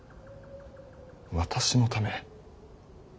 私のため。